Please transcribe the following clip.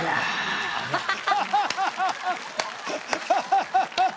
ハハハハ！